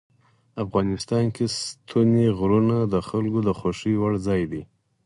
افغانستان کې ستوني غرونه د خلکو د خوښې وړ ځای دی.